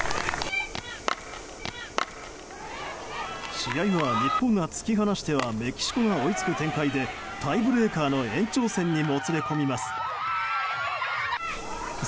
試合は日本が突き放してはメキシコが追いつく展開でタイブレーカーの延長戦にもつれ込みます。